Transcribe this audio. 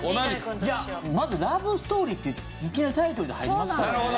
いやまず「ラブストーリー」っていきなりタイトルで入りますからね。